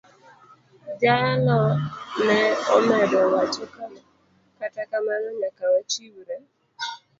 Jalo ne omedo wacho kama: "Kata kamano, nyaka wachiwre.